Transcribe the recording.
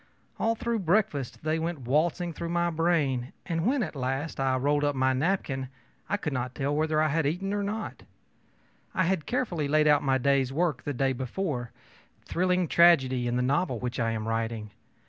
All through breakfast they went waltzing through my brain; and when, at last, I rolled up my napkin, I could not tell whether I had eaten anything or not. I had carefully laid out my day's work the day before thrilling tragedy in the novel which I am writing.